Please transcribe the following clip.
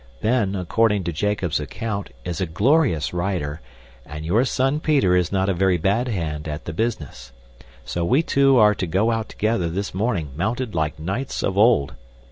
Ben, according to Jacob's account, is a glorious rider, and your son Peter is not a very bad hand at the business; so we two are to go out together this morning mounted like knights of old.